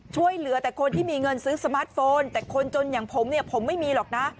ช่วยเหลือแต่คนที่มีเงินซื้อสมาร์ทโฟนแต่คนจนอย่างผมเนี่ยผมไม่มีหรอกนะ